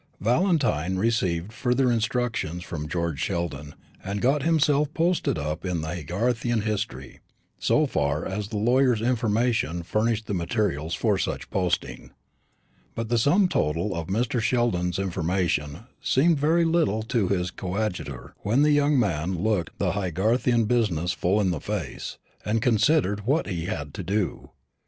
Valentine received further instructions from George Sheldon, and got himself posted up in the Haygarthian history, so far as the lawyer's information furnished the materials for such posting. But the sum total of Mr. Sheldon's information seemed very little to his coadjutor when the young man looked the Haygarthian business full in the face and considered what he had to do.